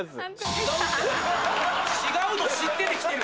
違うの知ってて来てる。